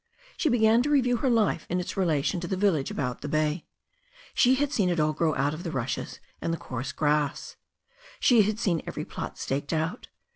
She began to review her life in its relation to the village about the bay. She had seen it all grow out of the rushes and the coarse grass. She had seen every plot staked out.